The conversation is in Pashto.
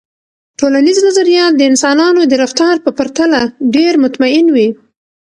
ټولنیز نظریات د انسانانو د رفتار په پرتله ډیر مطمئن وي.